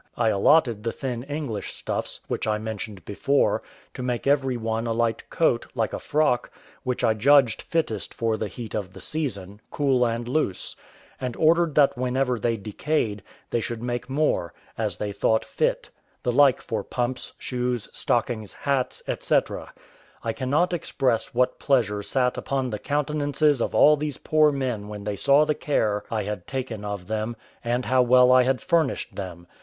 I allotted the thin English stuffs, which I mentioned before, to make every one a light coat, like a frock, which I judged fittest for the heat of the season, cool and loose; and ordered that whenever they decayed, they should make more, as they thought fit; the like for pumps, shoes, stockings, hats, &c. I cannot express what pleasure sat upon the countenances of all these poor men when they saw the care I had taken of them, and how well I had furnished them.